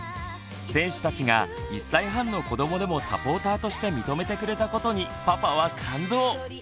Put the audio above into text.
選手たちが１歳半の子どもでもサポーターとして認めてくれたことにパパは感動。